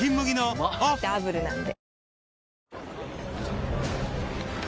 うまダブルなんで